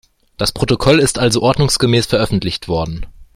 Das Protokoll ist also ordnungsgemäß veröffentlicht worden.